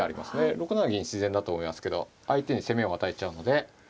６七銀自然だと思いますけど相手に攻めを与えちゃうので。